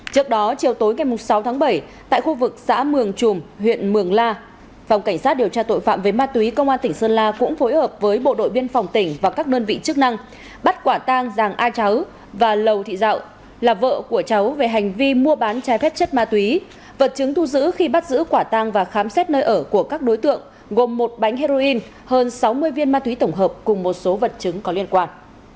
trước đó chiều tối ngày sáu tháng bảy tại khu vực xã mường chùm huyện mường la phòng cảnh sát điều tra tội phạm với ma túy công an tỉnh sơn la cũng phối hợp với bộ đội biên phòng tỉnh và các đơn vị chức năng bắt quả tang giàng a cháu và lầu thị dạo là vợ của cháu về hành vi mua bán trái phép chất ma túy vật chứng thu giữ khi bắt giữ quả tang và khám xét nơi ở của các đối tượng gồm một bánh heroin hơn sáu mươi viên ma túy tổng hợp cùng một số vật chứng có liên quan